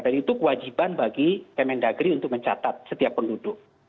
jadi itu kewajiban bagi kementerian negeri untuk mencatat setiap penduduk